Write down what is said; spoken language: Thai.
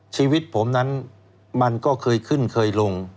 ชีวิตผมนั้นมันก็เคยขึ้นเคยลง